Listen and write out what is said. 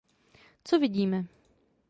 Co vidíme?